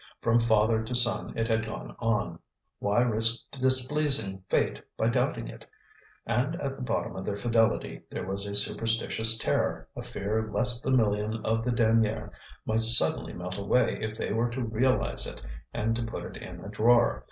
From father to son it had gone on. Why risk displeasing fate by doubting it? And at the bottom of their fidelity there was a superstitious terror, a fear lest the million of the denier might suddenly melt away if they were to realize it and to put it in a drawer.